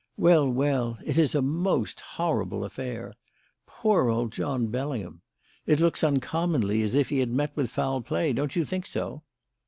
Well, well, it is a most horrible affair. Poor old John Bellingham! It looks uncommonly as if he had met with foul play. Don't you think so?"